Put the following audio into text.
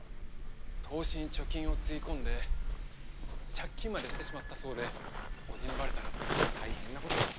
投資に貯金をつぎ込んで借金までしてしまったそうで叔父にバレたら大変なことになると。